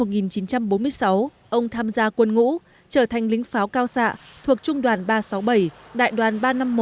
năm một nghìn chín trăm bốn mươi sáu ông tham gia quân ngũ trở thành lính pháo cao xạ thuộc trung đoàn ba trăm sáu mươi bảy đại đoàn ba trăm năm mươi một